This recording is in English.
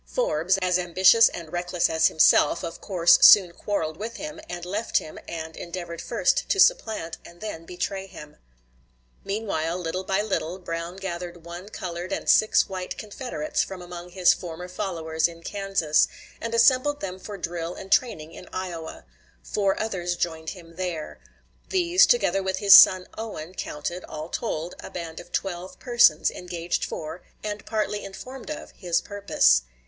Forbes, as ambitious and reckless as himself, of course soon quarreled with him, and left him, and endeavored first to supplant and then betray him. Realf, Testimony Mason Report, p. 91. Ibid., pp. 91 4. Meanwhile, little by little, Brown gathered one colored and six white confederates from among his former followers in Kansas, and assembled them for drill and training in Iowa; four others joined him there. These, together with his son Owen, counted, all told, a band of twelve persons engaged for, and partly informed of, his purpose.